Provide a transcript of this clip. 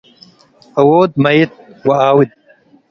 እዉድ መይት ወኣውድ።